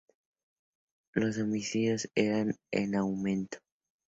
Los homicidios irán en aumento.